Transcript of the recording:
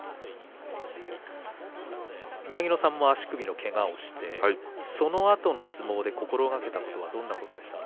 宮城野さんも足首のけがをしてそのあとの相撲で心がけたことはどんなことでしたか？